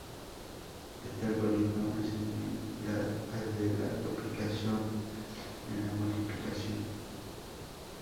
Este algoritmo es similar al de la duplicación en la multiplicación.